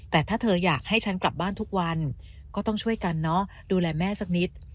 แต่ถ้าเธออยากให้ฉันกลับบ้านทุกวันก็ต้องช่วยกันเนอะดูแลแม่สักนิด